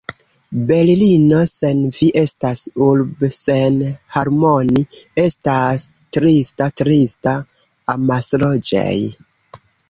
Berlino sen vi estas urb' sen harmoni' estas trista, trista, amasloĝej'